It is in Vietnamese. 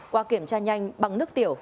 qua kiểm tra nhanh bằng nước tiểu